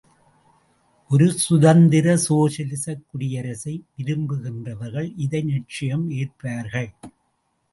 ஒரு சுதந்திர சோசலிசக் குடியரசை விரும்புகின்றவர்கள் இதை நிச்சயம் ஏற்பார்கள்.